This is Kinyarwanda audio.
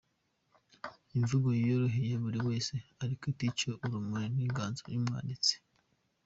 Imvugo yoroheye buri wese, ariko itica ururimi n’inganzo y’umwanditsi.